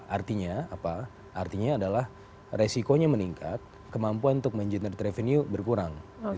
artinya adalah resikonya meningkat kemampuan untuk mengenerate revenue berkurang